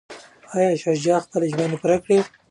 ایا شاه شجاع به خپلي ژمني پوره کړي؟